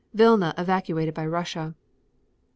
Vilna evacuated by Russia. 24.